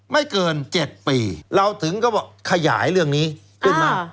ไม่เกินเจ็ดปีเราถึงก็บอกขยายเรื่องนี้อ้าว